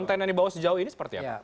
konten yang dibawa sejauh ini seperti apa